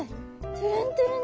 トゥルントゥルン。